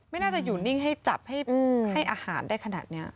ไม่น่าจะอยู่นิ่งให้จับให้อาหารได้ขนาดนี้